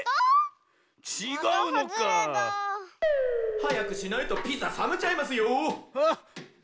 はやくしないとピザさめちゃいますよ。